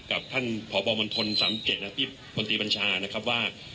กับท่านผอบอมมันทนสามเจ็ดนะครับพี่พนตรีบัญชานะครับว่า